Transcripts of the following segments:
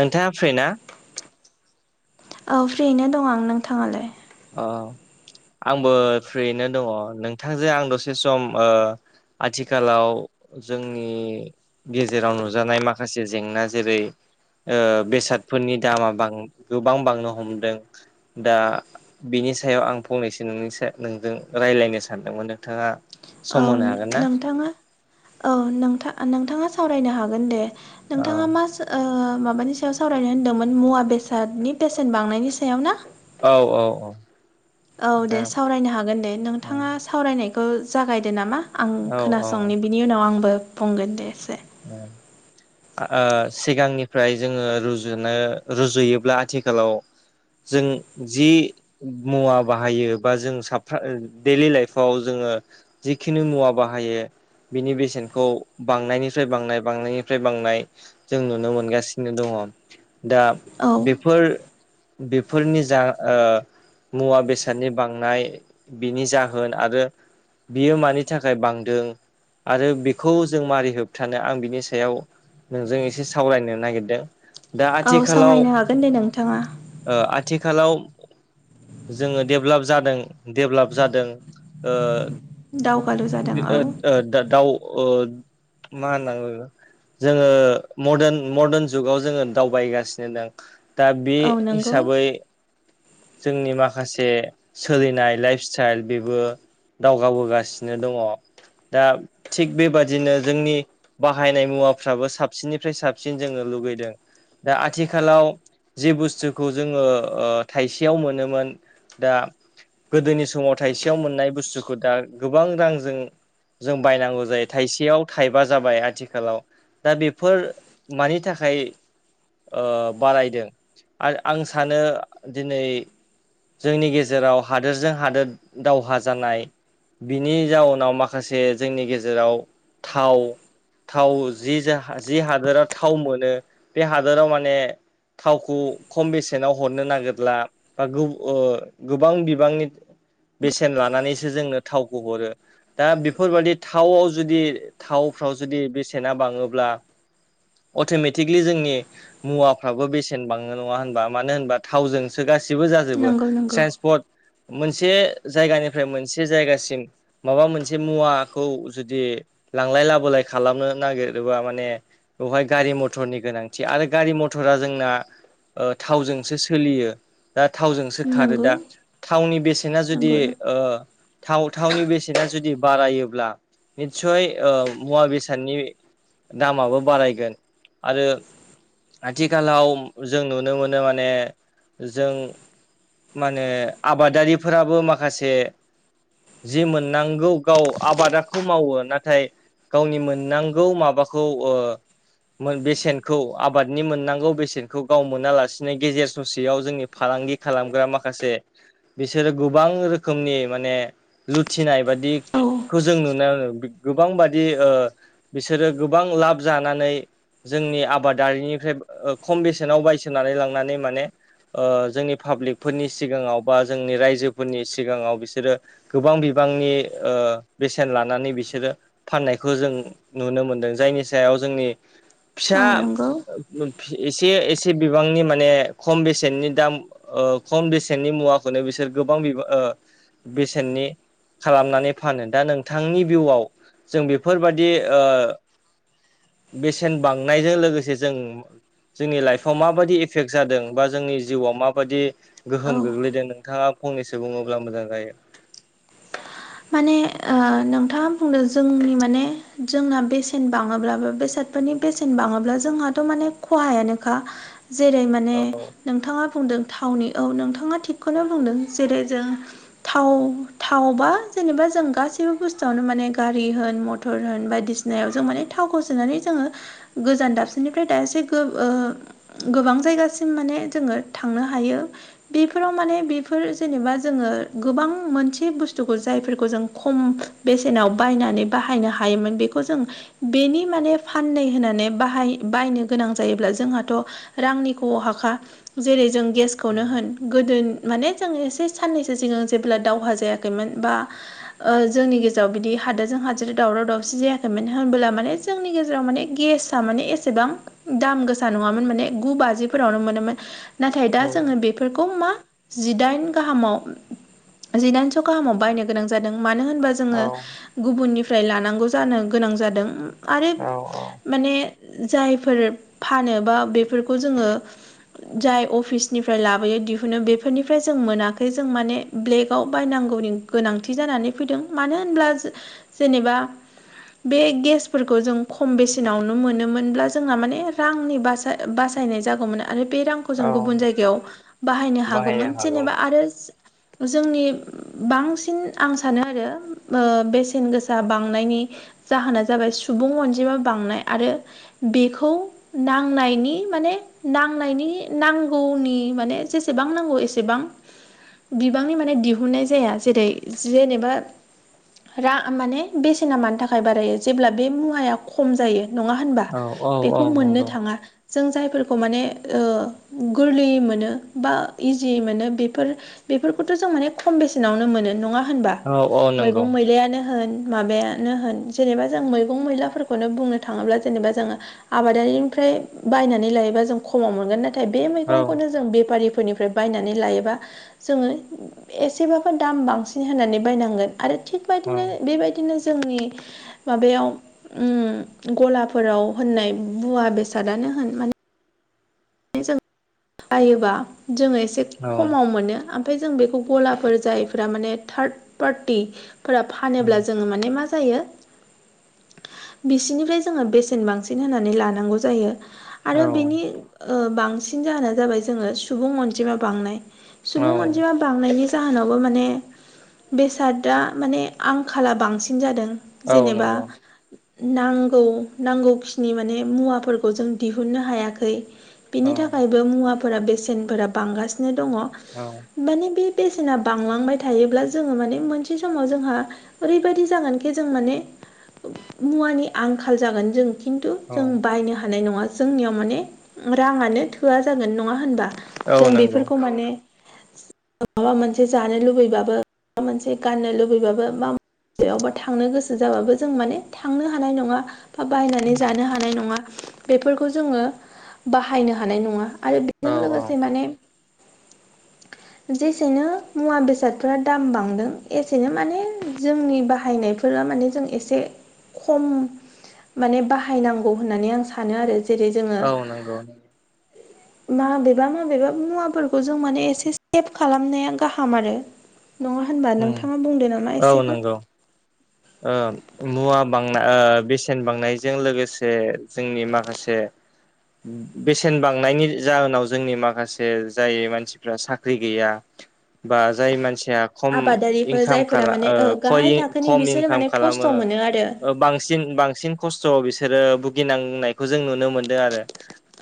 नोंथाङा फ्रिना? औ फ्रियैनो दं आं नोंथाङालाय? अ आंबो फ्रियैनो दङ नोंथांजों आं दसे सम ओ आथिखालाव जोंनि गेजेराव नुजानाय माखासे जेंना जेरै ओ बेसादफोरनि दामा बां गोबां बांनो हमदों दा बिनि सायाव आं फंनैसो नोंनि नोंजों रायलायनो सानदोंमोन नोंथाङा औ सम होनो हागोन ना? नोंथाङा औ नोंथा नोंथाङा सावरायनो हागोन दे औ नोंथाङा मा ओ माबानि सायाव सावरायनो होनदोंमोन मुवा बेसादनि बेसेन बांनायनि सायाव ना? औ औ औ औ दे दा सावरायनो हागोन दे नोंथाङा सावरायनायखौ जागायदो नामा आं औ औ खोनासंनि ओ बि नि उनाव आंबो बुंगोन ऐसे। औ ओ सिगांनिफ्राय जोङो रुजुनो रुजुयोब्ला आथिखालाव जों जि मुवा बाहायो बा जों साफ्रा दैलि लाइफाव जोङो जिखिनि मुवा बाहायो बिनि बेसेनखौ बांनायनि फ्राय बांनाय बांनायनिफ्राय बांनाय जों नुनो मोनगासिनो दङ। दा औ बेफोर बेफोरनि जा ओ मुवा बेसादनि बांनाय बिनि जाहोन आरो बियो मानि थाखाय बांदों आरो बेखौ जों मारै होब थानो आं बिनि सायाव नोंजों एसे सावरायनो नागिरदों। दा औ आथिखालाव सावरायनो हागोन दे नोंथाङा ओ आथिखालाव जोङो डेभलाप जादों डेभलाप जादों ओ दावगालु जादों औ ओ ओ दा दाउ मा होननानै बुङो? जोङो मदार्न मदार्न जुगाव जोङो दावबायगासिनो दों। दा बे औ नंगौ हिसाबै जोंनि माखासे सोलिनाय लाइफ स्टाइल बेबो दावगाबोगासिनो दङ दा थिग बेबादिनो जोंनि बाहायनाय मुवाफ्राबो साबसिननिफ्राय साबसिन जोङो लुबैदों दा आथिखालाव जे बुस्थुखौ जोङो थाइसेयाव मोनोमोन दा गोदोनि समाव थाइसेयाव मोननाय बुस्थुखौ दा गोबां रांजों जों बायनांगौ जायो थाइसेयाव थायबा जाबाय आथिखालाव दा बेफोर मानि थाखाय बारायदों आरो आं सानो दिनै जोंनि गेजेराव हादोरजों हादोर दावहा जानाय बिनि जाउनाव माखासे जोंनि गेजेराव थाव थाव जि जा जि हादोराव थाव मोनो बे हादोराव माने थावखौ खम बेसेनाव हरनो नागिरला बा गोबां बिबांनि बेसेन लानानैसो जोंनो थावखौ हरो दा बेफोरबायदि थावआव जुदि थावफ्राव जुदि बेसेना बाङोब्ला अट'मेटिकलि जोंनि मुवाफ्राबो बेसेन बाङो नङा होनबा मानो होनबा थावजोंसो गासिबो जाजोबो नंगौ नंगौ ट्रेन्स स्पट मोनसे जायगानिफ्राय मोनसे जायगासिम माबा मोनसे मुवाखौ जुदि लांलाय लाबोलाय खालामनो नागिरोबा माने बेवहाय गारि मथरनि गोनांथि आरो गारि मथरा जोंना थावजोंसो सोलियो दा थावजोंसो खारो नंगौ दा थावनि बेसेना जुदि नंगौ थाव थावनि बेसेना जुदि बारायोब्ला [unintelligible] मुवा बेसादनि दामाबो बारायगोन आरो आथिखालाव जों नुनो मोनो माने जों माने आबादारिफोराबो माखासे जि मोननांगौ गाव आबादखौ मावो नाथाय नाथाय गावनि मोननांगौ माबाखौ बेसेनखौ आबादनि मोननांगौ बेसेनखौ गाव मोनालासिनो गेजेर ससेयाव जोंनि फालांगि खालामग्रा माखासे बिसोरो गोबां रोखोमनि माने लुथिनाय बादि औ खौ जों नुनो मोनो गोबांबादि बिसोरो गोबां लाब जानानै जोंनि आबादारिनिफ्राय खम बेसेनाव बायजोबनानै लांनानै माने जोंनि पाब्लिकफोरनि सिगाङाव बा जोंनि रायजोफोरनि सिगाङाव बिसोरो गोबां बिबांनि बेसेन लानानै बिसोरो फाननायखौ जों नुनो मोनदों जायनि सायाव जोंनि फिसा औ नंगौ एसे एसे बिबांनि माने खम बेसेननि दाम खम बेसेननि मुवाखौनो बिसोर गोबां बिबां बेसेननि खालामनानै फानो दा नोंथांनि भिउआव जों बेफोरबायदि बेसेन बांनायजों लोगोसे जों जोंनि लाइफआव माबायदि इफेक्ट जादों बा जोंनि जिउआव माबायदि गोहोम औ गोग्लैदों नोंथाङा फंनैसो बुङोब्ला मोजां जायो माने नोंथाङा बुंदों जोंनि माने जोंना बेसेन बाङोब्लाबो बेसाद फोरनि बेसेन बाङोब्ला जोंहाथ' माने खहायानोखा जेरै माने औ नोंथाङा बुंदों थावनि औ नोंथाङा थिगखौनो बुंदों जेरै जों थाव थाव बा जेनेबा जों गासैबो बुस्थुआवनो माने गारि होन मथर होन बायदिसिनायाव जों माने थावखौ सोनानै जोङो गोजान दाबसेनिफ्राय दाबसे ओ [unintelligible] गोबां जायगासिम माने जोङो थांनो हायो बेफोराव माने बेफोर जेनेबा जोङो गोबां मोनसे बुस्थुखो जायफोरखौ जों खम बेसेनाव बायनानै बाहायनो हायोमोन बेखौ जों बेनि माने फाननै होननानै बाहाय बायनो गोनां जायोब्ला जोंहाथ' रांनि खहा खा। जेरै जों गेसखौनो होन गोदो माने जों एसे साननैसो सिगां जेब्ला दावहा जायाखैमोन बा ओ जोंनि गेजेराव बिदि हादोरजों हादोर दावराव दावसि जायाखै मानो होनबोला माने जोंनि गेजेराव माने गेसआ माने एसेबां दाम गोसा नङामोन माने गु बाजिफोरावनो मोनोमोन। नाथाय दा जोङो बेफोरखौ मा जिदाइन गाहामाव जिदाइनस' गाहामाव बायनो गोनां जादों मानो होनबा जोङो गुबुननिफ्राय लानांगौ जानो गोनां जादों। आरो माने जायफोर फानो बा बेफोरखौ जोङो जाय अफिसनिफ्राय लाबोयो दिहुनो बेफोरनिफ्राय जों मोनाखै जों माने ब्लेगाव बायनांगौनि गोनांथि जानानै फैदों मानो होनब्ला जेनेबा बे गेसफोरखौ जों खम बेसेनावनो मोनोमोनब्ला जोंहा माने रांनि बासाय बासायनाय जागौमोन आरो बे रां खौ जों गुबुन जायगायाव बाहायनो हागौमोन जेनेबा आरो जोंनि बांसि न आं सानो आरो ओ बेसेन गोसा बांनायनि जाहोना जाबाय सुबुं अनजिमा बांनाय आरो बेखौ नांनायनि माने नांनायनि नांगौनि माने जेसेबां नांगौ एसेबां बिबांनि माने दिहुननाय जाया जेरै जेनेबा रा माने बेसेना मानि थाखाय बारायो जेब्ला बे मुवाया खम जायो। नङा होनबा औ औ औ बेखौ मोननो नंगौ थाङा। जों जायफोरखौ माने ओ गोरलैयै मोनो बा इजियै मोनो बेफोर बेफोरखौथ' जों माने खम बेसेनावनो मोनो नङा होनबा औ औ नंगौ मैगं मैलायानो होन। माबायानो होन जेनेबा जों मैगं मैलाफोरखौनो बुंनो थाङोब्ला जेनेबा जोङो आबादारिनिफ्राय बायनानै लायोबा जों खमाव मोनगोन नाथाय बे औ मैगंखौनो जों बेपारि फोरनिफ्राय बायनानै लायोबा जोङो एसेबाबो दाम बांसि होनानै बायनांगोन आरो थिग औ बादिनो बेबायदिनो जोंनि माबायाव उम गलाफोराव होननाय मुवा बेसादानो होन माने जों बायोबा जोङो एसे औ खमाव मोनो। ओमफ्राय जों बेखौ गलाफोर जायफोरा माने थार्द पार्टिफोरा उम फानोब्ला जोङो माने मा जायो बिसिनिफ्राय जोङो बेसेन बांसिन होनानै लानांगौ जायो। औ आरो बेनि ओ बांसिन जाहोना जाबाय जोङो सुबुं अनजिमा बांनाय। औ सुबुं अनजिमा बांनायनि जाहोनावबो माने बेसादा माने आंखाला बांसिन जादों। औ जेनेबा नंगौ नांगौ नांगौखिनि माने मुवाफोरखौ जों दिहुननो हायाखै। औ बिनि थाखायबो मुवाफोरा बेसेनफोरा बांगासिनो दङ। औ माने बे बेसेना बांलांबाय थायोब्ला जोङो माने मोनसे समाव जोंहा ओरैबायदि जागोनखि जों माने मुवानि आंखाल जागोन जों खिन्थु औ जों बायनो हानाय नङा जोंनियाव माने राङानो थोआ जागोन नङा होनबा? औ जों नंगौ बेफोरखौ माने माबा मोनसे जानो लुबैबाबो माबा मोनसे गाननो लुबैबाबो मा यावबा थांनो गोसो जाबाबो जों माने थांनो हानाय नङा। बा बायनानै जानो हानाय नङा बेफोरखौ जोङो बाहायनो हानाय नङा आरो औ बेजों लोगोसे माने [unintelligible] जेसेनो मुवा बेसादफोरा दाम बांदों एसेनो माने जोंनि बाहायनाय बे फोर माने जों एसे खम माने बाहायनांगौ होननानै आं सानो आरो जेरै जोङो औ नंगौ माबेबा माबेबा मुवाफोरखौ जों माने एसे सेभ खालामनाया गाहाम आरो नङा होनबा उम नोंथाङा बुंदो नामा औ एसेखौ नंगौ मुवा बांनाय बेसेन बांनायजों लोगोसे जोंनि माखासे बेसेन बांनायनि जाहोनाव जोंनि माखासे जाय मानसिफ्रा साख्रि गैया बा जाय मानसिया खम आबादारिफोर इनकाम जायफोरा माने ओ गाहाय थाखोनि खालाम खम [unintelligible] बिसोरो माने खस्थ' मोनो आरो खालामो बांसिन बांसिन खस्थ' बिसोरो भुगिनांनायखौ जों नुनो मोन्दों आरो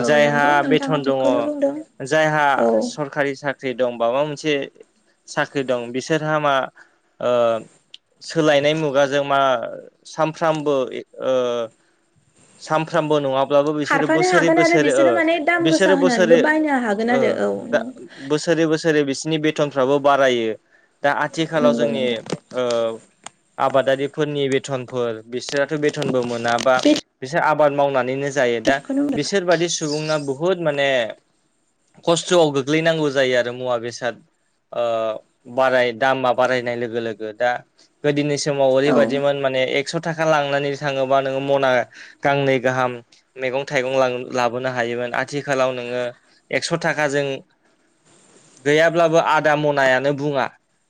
औ जायहा नंगौ नोंथाङा बेथन दङ थिगखौनो बुंदों जायहा औ सरकारि साख्रि साख्रि दं माबा मोनसे साख्रि दं बिसोरहा मा सोलायनाय मुगा जों मा साफ्रोमबो सानफ्रोमबो बो नङा [unintelligible] बिसोरो खारफानो बोसोरै हागोन आरो बोसोरै बिसोरो माने दाम गोसा बिसोरो होनानैबो बोसोरै बायनो हागोन आरो औ नों बोसोर [unintelligible] बोसोरै बोसोरै बिसोरनि बेथनफ्राबो बारायो दा आथिखालाव नंगौ जोंनि नंगौ आबादारिफोरनि बेथनफोर बिसोराथ' बेथनबो मोनाबा बे बिसोर आबाद मावनानैनो जायो दा थिगखौनो बुंदों बिसोरबादि सुबांना बुहुत माने खस्थ'आव गोग्लैनांगौ जायो आरो मुवा बेसाद बाराय दामा बारायनाय लोगो लोगो दा गोदोनि समाव औ ओरैबायदिमोन माने एकस' थाखा लांनानै थाङोबा नोङो मना गांनै गाहाम मैगं थाइगं लाबोनो हायोमोन आथिखालाव नोङो एकस' थाखाजों गैयाब्लाबो आदा मनायानो बुङा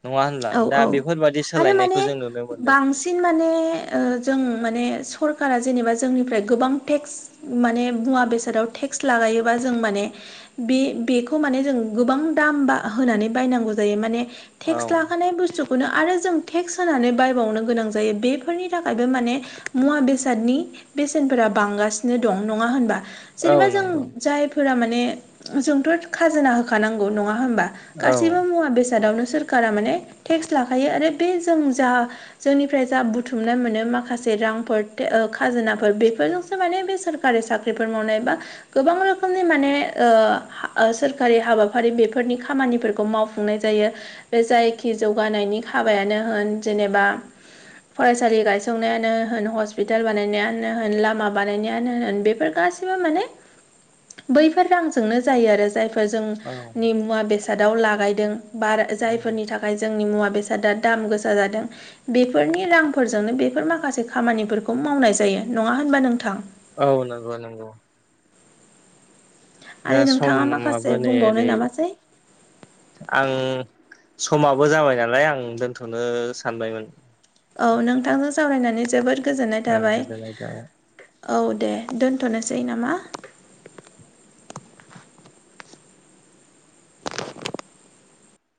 नङा होनब्ला औ दा औ बेफोरबादि आरो माने सोलायनायखौ जों नुनो मोनो बांसिन माने जों माने सरकारा जेनेबा जोंनिफ्राय गोबां टेक्स माने मुवा बेसादाव टेक्स लागायोबा जों माने बे बेखौ माने जों गोबां दाम बा होनानै बायनांगौ जायो माने औ टेक्स लाखानाय बुस्थुखौनो आरो जों टेक्स होनानै बाय बायबावनो गोनां जायो बेफोरनि थाखायबो माने मुवा बेसादनि बेसेनफोरा बांगासिनो दं नङा होनबा औ जेनेबा जों नंगौ जायफोरा माने जोंथ' खाजोना होखानांगौ नङा होमबा औ गासैबो मुवा बेसादावनो सोरखारा माने टेक्स लाखायो आरो बे जों जा जोंनिफ्राय जा बुथुमनाय मोनो माखासे रांफोर खाजोनाफोर बेफोरजोंसो माने बे सोर सरखारि साख्रिफोर मावनाय बा गोबां रोखोमनि माने सोरखारि हाबाफारि बेफोरनि खामानिफोरखौ मावफुं मावफुंनाय जायो बे जायखि जौगानायनि हाबायानो होन जेनेबा फरायसालि गायसंनायानो होन हस्पिटाल बानायनायानो होन लामा बानायनायानो होन बेफोर गासैबो माने [inaudible] बैफोर रांजोंनो जायो आरो जायफोर फोर औ जोंनि मुवा बेसादाव लागायदों बा जायफोरनि थाखाय बे जोंनि मुवा बेसादा दाम गोसा जादों बेफोरनि रांफोरजोंनो बेफोर माखासे खामानिफोरखौ मावनाय जायो नङा होनबा नोंथां औ नंगौ नंगौ दा आरो नोंथाङा माखासे समाबो नै बुंबावनो ओरै नामासै आं समाबो जाबाय नालाय आं दोनथ'नो सानबायमोन औ नोंथांजों सावरायनानै जोबोद गोजोननाय ओ थाबाय गोजोननाय थाबाय औ दे दोनथ'नोसै नामा